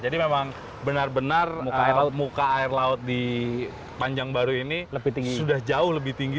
jadi memang benar benar muka air laut di panjang baru ini sudah jauh lebih tinggi